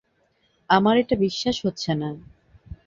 আমার এটা বিশ্বাস হচ্ছে না।